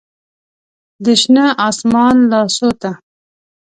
د شنه اسمان لاسو ته